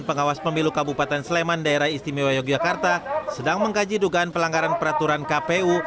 pengawas pemilu kabupaten sleman daerah istimewa yogyakarta sedang mengkaji dugaan pelanggaran peraturan kpu